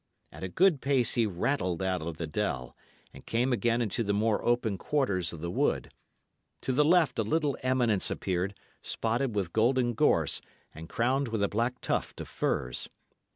At a good pace he rattled out of the dell, and came again into the more open quarters of the wood. To the left a little eminence appeared, spotted with golden gorse, and crowned with a black tuft of firs.